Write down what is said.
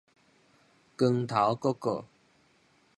光頭哥哥